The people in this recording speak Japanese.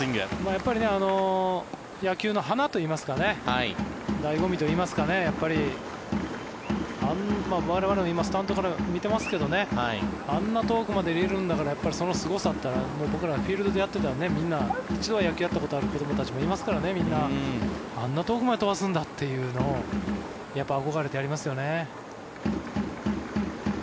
やっぱり野球の華といいますかね醍醐味といいますか我々も今、スタンドから見てますけどあんな遠くまで入れるんだからそのすごさっていったらもう僕らフィールドでやっていたらみんな一度は野球をやったことのある子どもたちもいますからあんな遠くまで飛ばすんだというのを憧れてやりますよね。